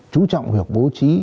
chú trọng việc bố trí